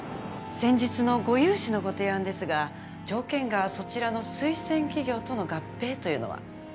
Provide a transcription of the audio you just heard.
先日のご融資のご提案ですが条件がそちらの推薦企業との合併というのは？